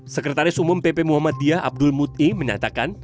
sekretaris umum pp muhammad diyah abdul muti menatakan